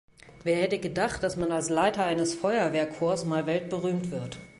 Wer hätte gedacht, dass man als Leiter eines Feuerwehrchors mal weltberühmt wird?